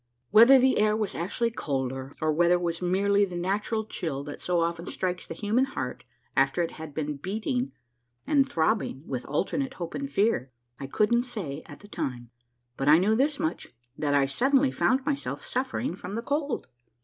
Whether the air was actually colder, or whether it was merely 146 A MARVELLOUS UNDERGROUND JOURNEY the natural chill that so often strikes the human heart after it has been beating and throbbing with alternate hope and fear, I couldn't say at the time ; but I knew this much, that I suddenly found myself suffering from the cold.